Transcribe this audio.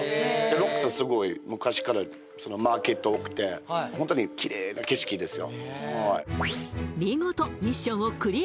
ロックスはスゴい昔からマーケット多くてホントにキレイな景色ですよ